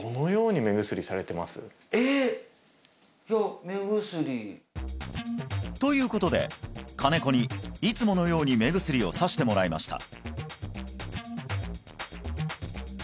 えっいや目薬ということで金子にいつものように目薬をさしてもらいました